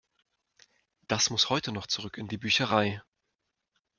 Das muss heute noch zurück in die Bücherei.